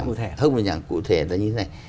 không bình đẳng cụ thể là như thế này